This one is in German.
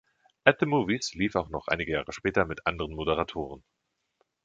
„At the Movies“ lief auch noch einige Jahre später mit anderen Moderatoren.